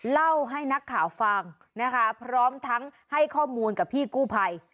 เล่าให้นักข่าวฟังนะคะพร้อมทั้งให้ข้อมูลกับพี่กู้ภัย